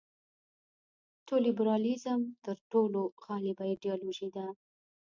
نیولیبرالیزم تر ټولو غالبه ایډیالوژي ده.